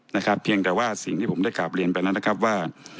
นะครับเพียงแต่ว่าสิ่งที่ผมได้กราบเรียนไปแล้วนะครับว่า